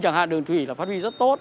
chẳng hạn đường thủy là phát huy rất tốt